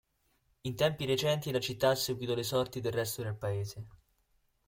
In tempi recenti la città ha seguito le sorti del resto del Paese.